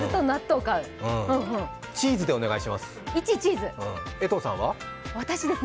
チーズでお願いします。